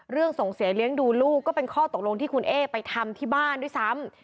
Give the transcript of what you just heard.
ส่งเสียเลี้ยงดูลูกก็เป็นข้อตกลงที่คุณเอ๊ไปทำที่บ้านด้วยซ้ำ